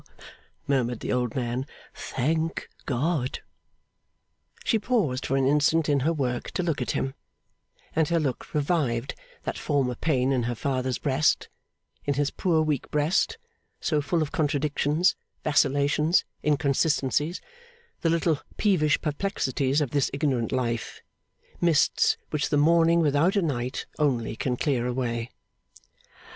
murmured the old man. 'Thank God!' She paused for an instant in her work to look at him, and her look revived that former pain in her father's breast; in his poor weak breast, so full of contradictions, vacillations, inconsistencies, the little peevish perplexities of this ignorant life, mists which the morning without a night only can clear away.